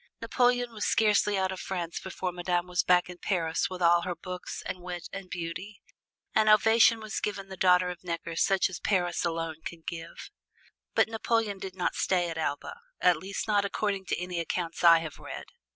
Napoleon was scarcely out of France before Madame was back in Paris with all her books and wit and beauty. An ovation was given the daughter of Necker such as Paris alone can give. But Napoleon did not stay at Elba, at least not according to any accounts I have read.